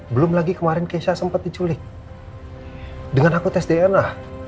belum lagi kemarin keisha sempat diculik dengan aku tes dna